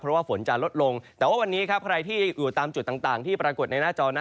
เพราะว่าฝนจะลดลงแต่ว่าวันนี้ครับใครที่อยู่ตามจุดต่างที่ปรากฏในหน้าจอนะ